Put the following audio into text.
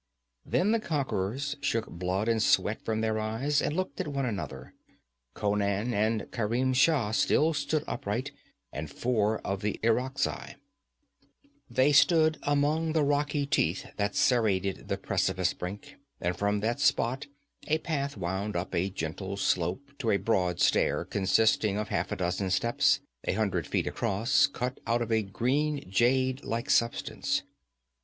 Then the conquerors shook blood and sweat from their eyes, and looked at one another. Conan and Kerim Shah still stood upright, and four of the Irakzai. They stood among the rocky teeth that serrated the precipice brink, and from that spot a path wound up a gentle slope to a broad stair, consisting of half a dozen steps, a hundred feet across, cut out of a green jade like substance.